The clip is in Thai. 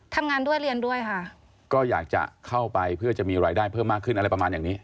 ทำงานด้วยเรียนด้วยค่ะก็อยากจะเข้าไปเพื่อจะมีรายได้เพิ่มมากขึ้นอะไรประมาณอย่างนี้